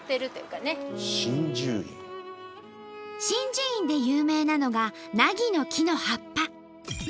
眞珠院で有名なのがナギの木の葉っぱ。